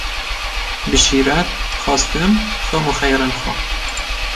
Bi şîret, xwestin, xewn û xeyalên xwe